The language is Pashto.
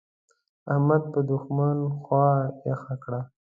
احمد په دوښمن خوا يخه کړه.